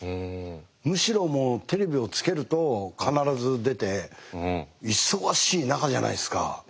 むしろもうテレビをつけると必ず出て忙しい中じゃないですか。